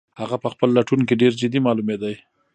هغه په خپل لټون کې ډېر جدي معلومېده.